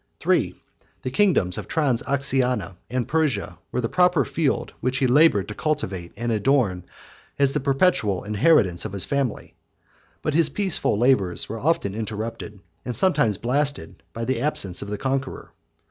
3. The kingdoms of Transoxiana and Persia were the proper field which he labored to cultivate and adorn, as the perpetual inheritance of his family. But his peaceful labors were often interrupted, and sometimes blasted, by the absence of the conqueror.